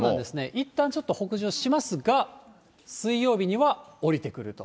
いったん、ちょっと北上しますが、水曜日には降りてくると。